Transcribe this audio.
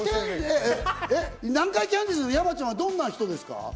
南海キャンディーズの山ちゃんはどんな人ですか？